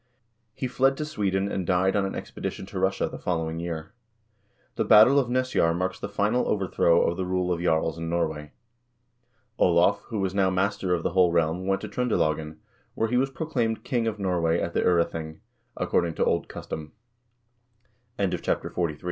He fled to Sweden, and died on an expedition to Russia the following year. The battle of Nesjar marks the final overthrow of the rule of jarls in Norway. Olav, who was now master of the whole realm, went to Tr0ndelagen, where he was proclaimed king of Norway at the 0rething, according to old custo